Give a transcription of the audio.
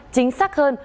chính xác hơn